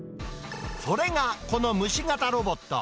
それがこの虫型ロボット。